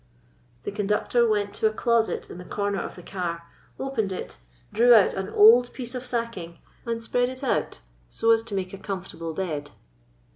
The conductor went to a closet in the corner of the car, opened it, drew out an old piece of sacking and spread it out so as to make a com fortable bed.